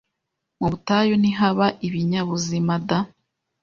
Mu butayu ntihaba ibinyabuzima da